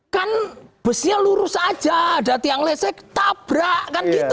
kan busnya lurus aja ada tiang lesek tabrak kan gitu